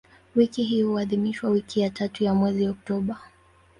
Wiki hiyo huadhimishwa wiki ya tatu ya mwezi Oktoba.